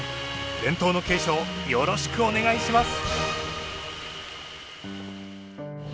伝統の継承よろしくお願いします！